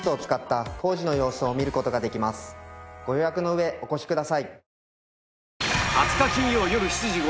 ご予約の上お越しください。